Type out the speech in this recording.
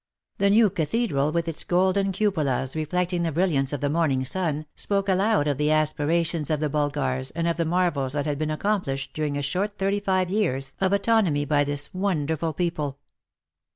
The new cathedral, with its golden cupolas reflecting the brilliance of the morning sun, spoke aloud of the aspirations of the Bulgars and of the marvels that had been ac complished during a short thirty five years of autonomy by this wonderful people.